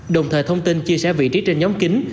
đồng thời thông tin chia sẻ vị trí trên nhóm kính